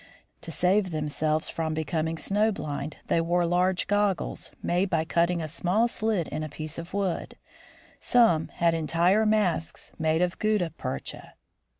To save themselves from becoming snow blind, they wore large goggles, made by cutting a small slit in a piece of wood. Some had entire masks made of gutta percha.